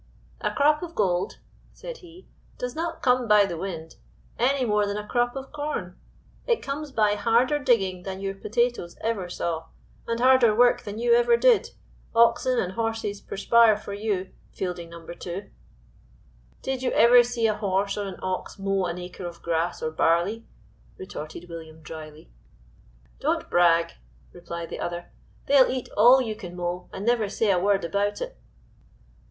"A crop of gold," said he, "does not come by the wind any more than a crop of corn; it comes by harder digging than your potatoes ever saw, and harder work than you ever did oxen and horses perspire for you, Fielding No. 2." "Did you ever see a horse or an ox mow an acre of grass or barley?" retorted William dryly. "Don't brag," replied the other; "they'll eat all you can mow and never say a word about it."